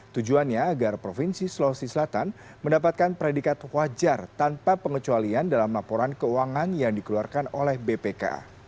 tujuannya agar provinsi sulawesi selatan mendapatkan predikat wajar tanpa pengecualian dalam laporan keuangan yang dikeluarkan oleh bpk